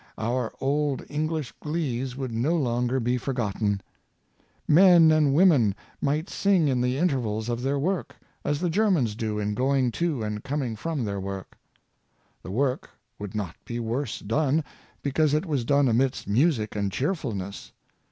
Our old English glees would no longer be forgotten. Men Taste in Little Things, 31 and women might sing in the intervals of their work, as the Germans do in going to and coming from their work. The work would not be worse done, because it was done amidst music and cheerfulness.